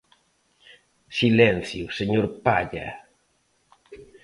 Silencio, señor Palla.